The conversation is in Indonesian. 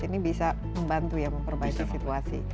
ini bisa membantu ya memperbaiki situasi